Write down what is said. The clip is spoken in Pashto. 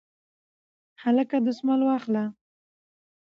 هلکه دستمال واخله